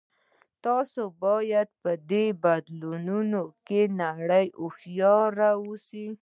تاسې باید په دې بدلیدونکې نړۍ کې هوښیار اوسئ